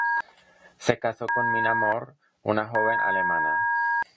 Se casó con Minna More, una joven alemana.